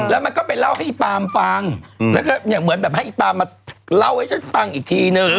แล้วมันก็ไปเล่าให้อีปามฟังแล้วก็อย่างเหมือนแบบให้อีปามมาเล่าให้ฉันฟังอีกทีนึง